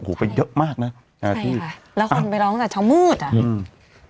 โอ้โหไปเยอะมากนะอ่าใช่ค่ะแล้วคนไปร้องตั้งแต่เช้ามืดอ่ะอืม